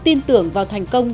tin tưởng vào thành công